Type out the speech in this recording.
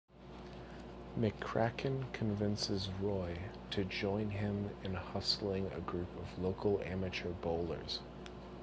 McCracken convinces Roy to join him in hustling a group of local amateur bowlers.